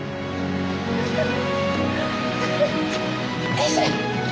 よいしょっ。